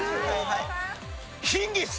ヒンギス！